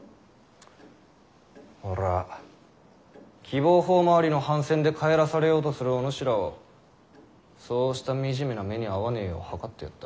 俺は喜望峰回りの帆船で帰らされようとするお主らをそうした惨めな目に遭わねぇよう計ってやった。